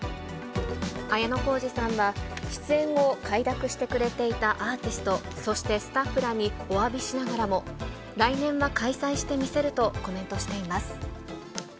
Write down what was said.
綾小路さんは、出演を快諾してくれていたアーティスト、そしてスタッフらに、おわびしながらも、来年は開催してみせるとコメントしています。